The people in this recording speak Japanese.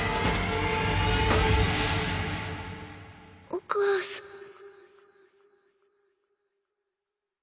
・お母さん。